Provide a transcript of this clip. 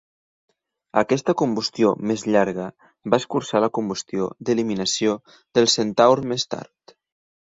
Aquesta combustió més llarga va escurçar la combustió d'eliminació del Centaur més tard.